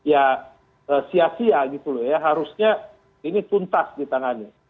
tapi cara kerjanya itu jangan sampai sia sia gitu loh ya harusnya ini tuntas di tangannya